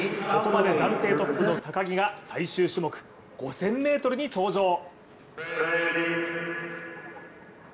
ここまで暫定トップの高木が最終種目５０００ｍに登場。